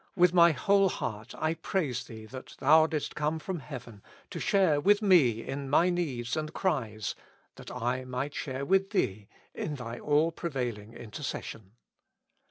with my whole heart I praise Thee that Thou didst come from heaven to share with me in my needs and cries, that I might share with Thee in Thy all prevailing intercession.